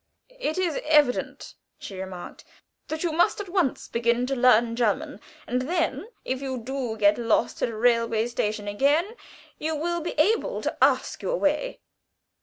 "It is evident," she remarked, "that you must at once begin to learn German, and then if you do get lost at a railway station again, you will be able to ask your way."